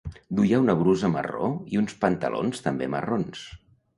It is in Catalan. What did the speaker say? Duia una brusa marró i uns pantalons també marrons.